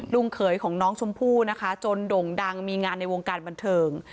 เขยของน้องชมพู่นะคะจนโด่งดังมีงานในวงการบันเทิง